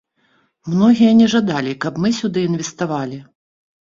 Многія не жадалі, каб мы сюды інвеставалі.